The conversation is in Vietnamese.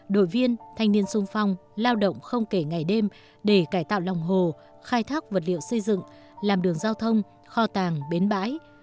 đội viên thanh niên sung phong lao động không kể ngày đêm để cải tạo lòng hồ khai thác vật liệu xây dựng làm đường giao thông kho tàng bến bãi